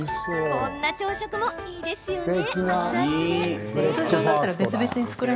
こんな朝食もいいですよね。